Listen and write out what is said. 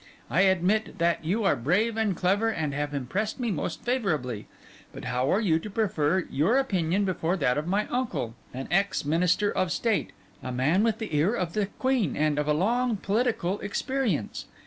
I admit that you are brave and clever and have impressed me most favourably; but how are you to prefer your opinion before that of my uncle, an ex minister of state, a man with the ear of the Queen, and of a long political experience?